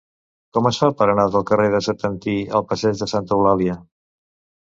Com es fa per anar del carrer de Setantí al passeig de Santa Eulàlia?